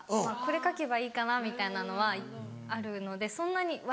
まぁこれ書けばいいかなみたいなのはあるのでそんなに。